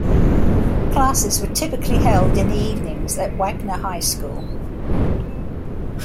Classes were typically held in the evenings at Wagner High School.